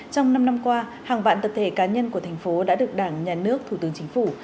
trong năm năm qua hàng vạn tập thể cá nhân của thành phố đã được đảng nhà nước thủ tướng chính phủ